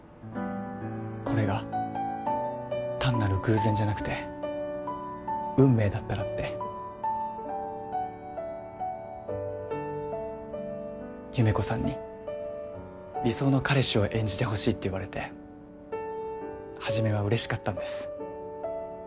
これが単なる偶然じゃなくて運命だったらって優芽子さんに理想の彼氏を演じてほしいって言われて初めは嬉しかったんです